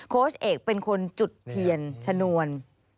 โค้ชเอกเป็นคนจุดเทียนชนวน